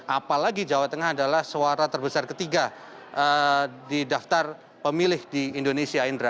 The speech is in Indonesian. apalagi jawa tengah adalah suara terbesar ketiga di daftar pemilih di indonesia indra